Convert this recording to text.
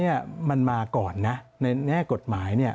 ลายละอักษรมันมาก่อนนะในแน่กฎหมาย